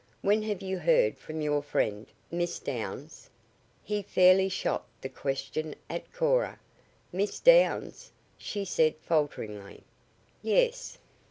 When have you heard from your friend, Miss Downs?" He fairly shot the question at Cora. "Miss Downs?" she said falteringly. "Yes."